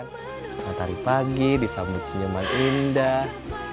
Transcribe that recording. matahari pagi disambut senyuman indah